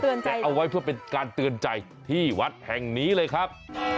แต่เอาไว้เพื่อเป็นการเตือนใจที่วัดแห่งนี้เลยครับ